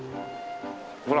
ほら。